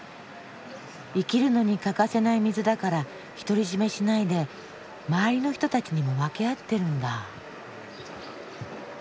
生きるのに欠かせない水だから独り占めしないで周りの人たちにも分け合ってるんだ。